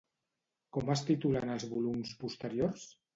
Com es titulen els volums posteriors?